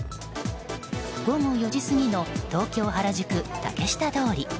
午後４時過ぎの東京・原宿竹下通り。